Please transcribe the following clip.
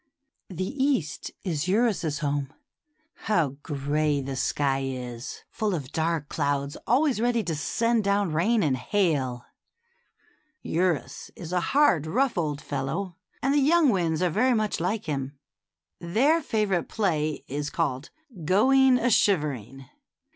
The East is Eurus's home. How gray the sky is, full of dark clouds always ready to send down rain and hail ! Eurus is a hard, rough old fellow, and the young winds are very much like him. Their favorite play is called Going a Shivering."